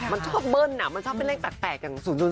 มันชอบเบิ้ลมันชอบเป็นเลข๘อย่าง๐๐